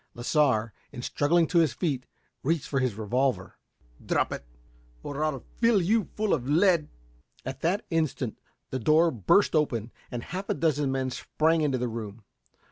Lasar, in struggling to his feet, reached for his revolver. "Drop it or I'll fill you full of lead!" At that instant, the door burst open and half a dozen men sprang into the room.